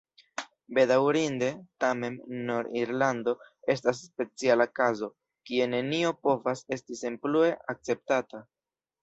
Bedaŭrinde, tamen, Nord-Irlando estas speciala kazo, kie nenio povas esti senplue akceptata.